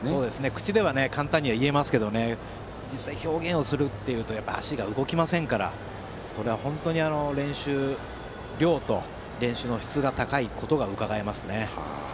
口では簡単に言えますけど実際に表現するとなると足が動きませんから、本当に練習量と練習の質が高いことが分かりますね。